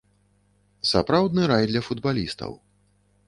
Сапраўдны рай для футбалістаў.